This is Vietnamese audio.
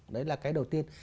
đấy là cái đầu tiên